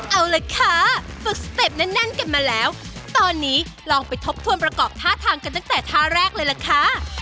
เอาละค่ะฝึกสเต็ปแน่นกันมาแล้วตอนนี้ลองไปทบทวนประกอบท่าทางกันตั้งแต่ท่าแรกเลยล่ะค่ะ